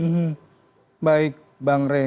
hmm baik bang rey